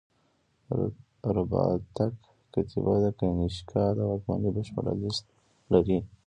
د رباطک کتیبه د کنیشکا د واکمنۍ بشپړه لېست لري